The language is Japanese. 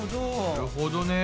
なるほどね。